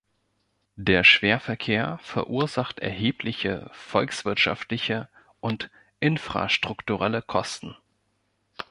Der Schwerverkehr verursacht erhebliche volkswirtschaftliche und infrastrukturelle Kosten.